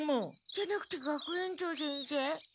じゃなくて学園長先生？